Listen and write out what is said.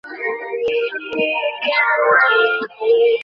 তোর জীবন ঝুঁকিতে ফেলব কেন?